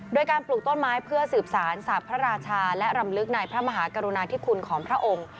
โดยการปลูกต้นไม้เพื่อสืบสารสาปพระราชาและรำลึกในพระมหากรุณาธิคุณของพระองค์